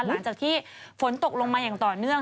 หลังจากที่ฝนตกลงมาอย่างต่อเนื่อง